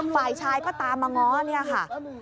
ฝ่ายชายก็ตามมาง้อเนี่ยค่ะ